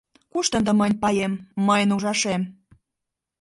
Кушто ынде мыйын паем, мыйын ужашем?»